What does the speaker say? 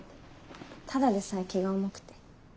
ただでさえ気が重くて。